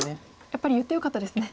やっぱり言ってよかったですね。